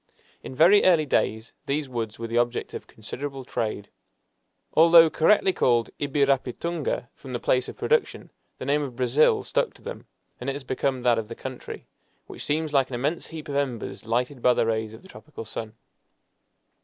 In very early days these woods were the object of considerable trade. Although correctly called "ibirapitunga," from the place of production, the name of "brazil" stuck to them, and it has become that of the country, which seems like an immense heap of embers lighted by the rays of the tropical sun.